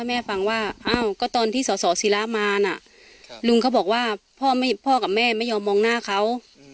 อ้าวก็ตอนที่สอสอศิละมานะลุงเขาบอกว่าพ่อกับแม่ไม่ยอมมองหน้าเขา